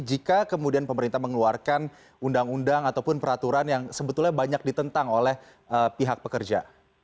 jika kemudian pemerintah mengeluarkan undang undang ataupun peraturan yang sebetulnya banyak ditentang oleh pihak pekerja